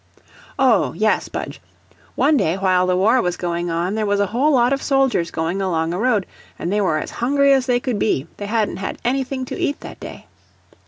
"Oh, yes, Budge. One day while the war was going on, there was a whole lot of soldiers going along a road, and they were as hungry as they could be; they hadn't had anything to eat that day."